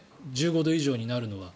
１５度以上になるのは。